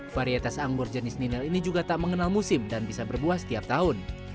varietas ambor jenis ninal ini juga tak mengenal musim dan bisa berbuah setiap tahun